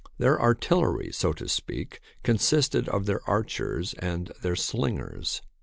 Their artillery, so to speak, con sisted of their archers and their slingers.